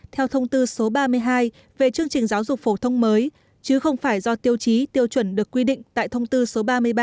theo thông tư số ba mươi hai về chương trình giáo dục phổ thông mới chứ không phải do tiêu chí tiêu chuẩn được quy định tại thông tư số ba mươi ba